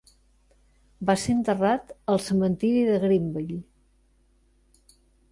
Va ser enterrat al cementiri de Greenville.